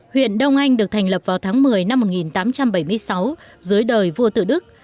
huyện đông anh được thành lập vào tháng một mươi năm một nghìn tám trăm bảy mươi sáu dưới đời vua tự đức